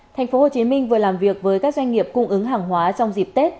thành phố hồ chí minh vừa làm việc với các doanh nghiệp cung ứng hàng hóa trong dịp tết